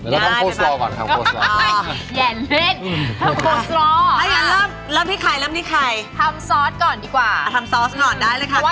เราต้องโฟสต์รอก่อนค่ะโฟสต์รออย่าเล่นโฟสต์รอถ้าอย่างนั้นเริ่มที่ใครเริ่มที่ใครทำซอสก่อนดีกว่าทำซอสก่อนได้เลยค่ะกัน